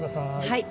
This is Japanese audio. はい。